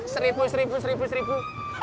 seribu seribu seribu seribu